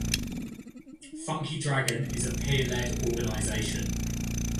Funky Dragon is a peer-led organization.